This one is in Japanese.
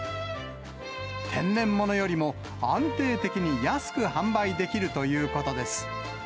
天然ものよりも安定的に安く販売できるということです。